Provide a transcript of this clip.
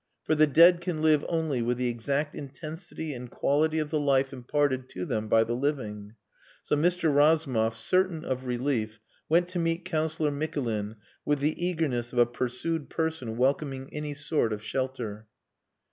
For the dead can live only with the exact intensity and quality of the life imparted to them by the living. So Mr. Razumov, certain of relief, went to meet Councillor Mikulin with the eagerness of a pursued person welcoming any sort of shelter.